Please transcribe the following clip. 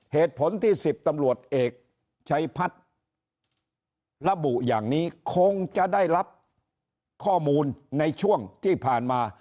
เหตุผลที่๑๐ตำรวจเอกชัยพัฒน์ระบุอย่างนี้คงจะได้รับข้อมูลในช่วงที่ผ่านมา